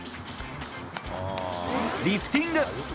リフティング。